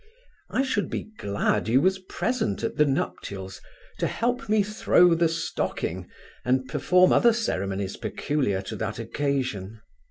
I should be glad you was present at the nuptials, to help me throw the stocking, and perform other ceremonies peculiar to that occasion.